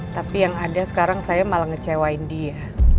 tapi yang ada sekarang saya malah ngecewain dia